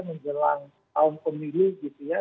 menjelang tahun pemilu gitu ya